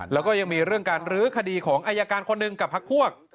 แล้วก็ยังมีเรื่องการลื้อคดีของอายการคนหนึ่งกับพักพวก